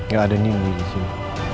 gak ada nindi disini